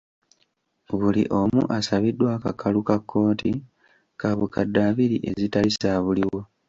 Buli omu asabiddwa akakalu ka kkooti ka bukadde abiri ezitali zaabuliwo.